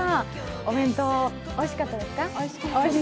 お弁当おいしかったですか？